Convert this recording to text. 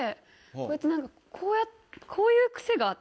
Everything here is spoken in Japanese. こうやって何かこういう癖があって。